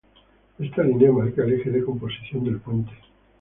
Esta línea marca el eje de composición del puente.